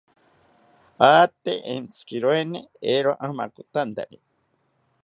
Ate entzikiroeni, eero amakotantari